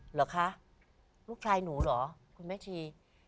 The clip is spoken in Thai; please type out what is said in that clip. เหรอคะลูกชายหนูเหรอคุณแม่ชี